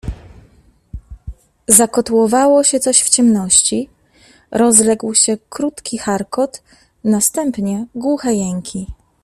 Zakotłowało się coś w ciemności, rozległ się krótki charkot, na stępnie głuche jęki.